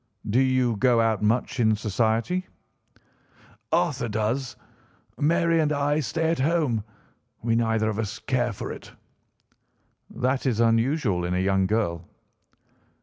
"Do you go out much in society?" "Arthur does. Mary and I stay at home. We neither of us care for it." "That is unusual in a young girl."